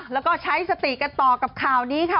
แล้วก็ใช้สติกันต่อกับข่าวนี้ค่ะ